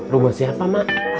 rumah siapa mah